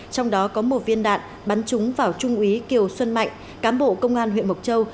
trong đó có một viên đạn bắn trúng vào trung ý kiều xuân mạnh cám bộ công an huyện mộc châu